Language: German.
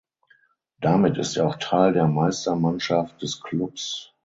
Damit ist er auch Teil der Meistermannschaft des Klubs.